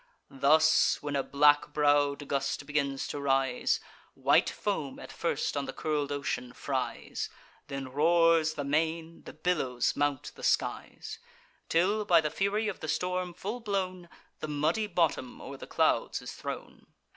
Thus, when a black brow'd gust begins to rise, White foam at first on the curl'd ocean fries; Then roars the main, the billows mount the skies; Till, by the fury of the storm full blown, The muddy bottom o'er the clouds is thrown.